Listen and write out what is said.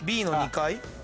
Ｂの２階？